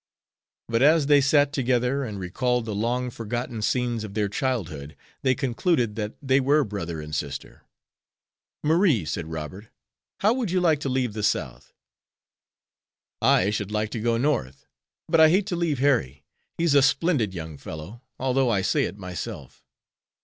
But as they sat together, and recalled the long forgotten scenes of their childhood, they concluded that they were brother and sister. "Marie," said Robert, "how would you like to leave the South?" "I should like to go North, but I hate to leave Harry. He's a splendid young fellow, although I say it myself.